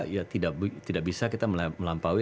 ya tidak bisa kita melampaui